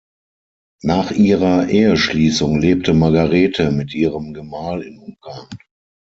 Nach ihrer Eheschließung lebte Margarethe mit ihrem Gemahl in Ungarn.